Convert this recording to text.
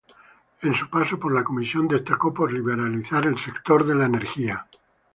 En su paso por la comisión destacó por liberalizar el sector de la energía.